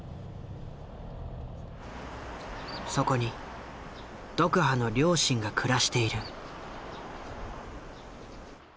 そこにドクハの両親が暮らしている。